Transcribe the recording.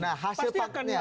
nah hasil paknya